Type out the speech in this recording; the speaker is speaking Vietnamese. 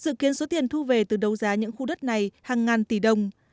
dự kiến số tiền thu về từ đấu giá những khu đất này hàng ngàn tỷ đồng